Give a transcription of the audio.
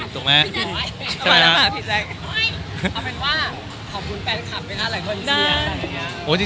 เอาเป็นว่าขอบคุณแฟนคลับไปหน้าหลายคน